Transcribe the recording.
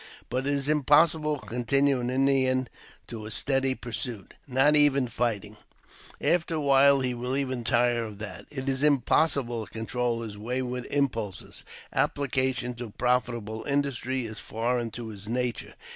But it is impossible to confine an Indian to a steady pursuit — not even fighting ; after a while he will even tire of that. It is impossible to control his wayward impulses ; ap plication to profitable industry is foreign to his nature.